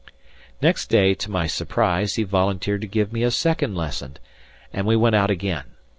Next day, to my surprise, he volunteered to give me a second lesson, and we went out again.